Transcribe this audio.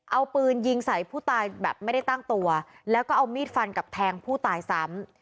เอาปืนยิงใส่ผู้ตายแบบไม่ได้ตั้งตัวแล้วก็เอามีดฟันกับแทงผู้ตายซ้ำ